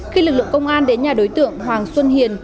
khi lực lượng công an đến nhà đối tượng hoàng xuân hiền